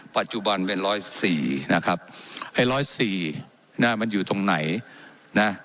๙๑๙๖๙๙๑๐๑ปัจจุบันเป็น๑๐๔นะครับไอ้๑๐๔น่ะมันอยู่ตรงไหนน่ะ